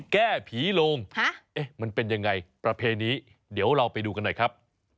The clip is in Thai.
แก้ผีโลงมันเป็นยังไงประเพณีเดี๋ยวเราไปดูกันหน่อยครับ